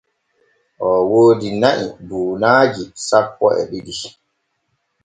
Oo woodi na’i buunaaji sappo e ɗiɗi.